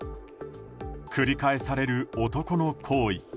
繰り返される男の行為。